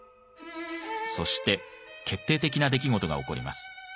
そして決定的な出来事が起こります。